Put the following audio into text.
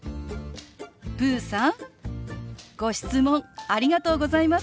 ぷうさんご質問ありがとうございます！